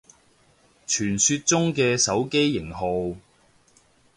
傳說中嘅手機型號